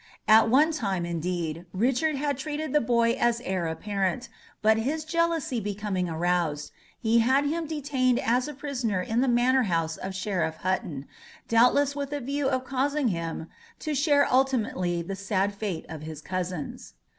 At one time, indeed, Richard had treated the boy as heir apparent, but his jealousy becoming aroused, he had him detained as a prisoner in the manor house of Sheriff Hutton, doubtless with a view of causing him to share ultimately the sad fate of his cousins.